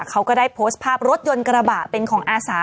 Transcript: เขาก็ได้โพสต์ภาพรถยนต์กระบะเป็นของอาสา